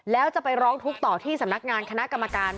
แล้วจะไปร้องทุกข์ต่อที่สำนักงานคณะกรรมการ